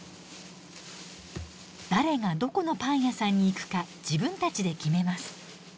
誰がどこのパン屋さんに行くか自分たちで決めます。